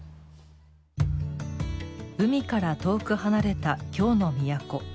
海から遠く離れた京の都。